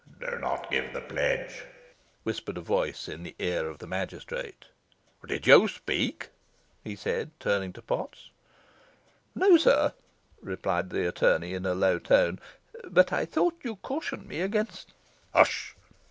"Do not give the pledge," whispered a voice in the ear of the magistrate. "Did you speak?" he said, turning to Potts. "No, sir," replied the attorney, in a low tone; "but I thought you cautioned me against " "Hush!"